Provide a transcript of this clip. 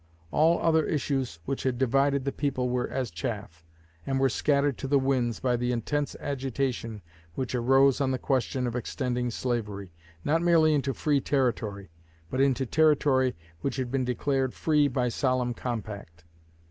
All other issues which had divided the people were as chaff, and were scattered to the winds by the intense agitation which arose on the question of extending slavery, not merely into free territory, but into territory which had been declared free by solemn compact.